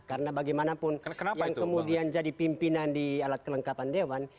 karena bagaimanapun yang kemudian jadi pimpinan di alat kelengkapan dewan